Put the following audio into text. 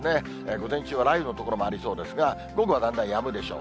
午前中は雷雨の所もありそうですが、午後はだんだんやむでしょう。